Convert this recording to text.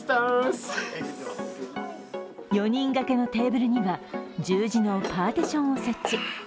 ４人掛けのテーブルには十字のパーティションを設置。